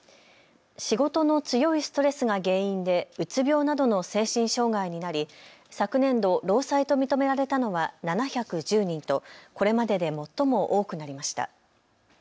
仕事の強いストレスが原因でうつ病などの精神障害になり昨年度、労災と認められたのは７１０人とこれまでで最も多くなりました。